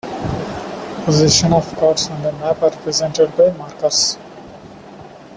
Positions of cards on the map are represented by markers.